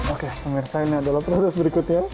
oke pemirsa ini adalah proses berikutnya